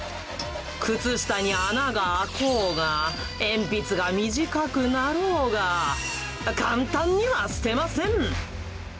靴下に穴が開こうが、鉛筆が短くなろうが、簡単には捨てません。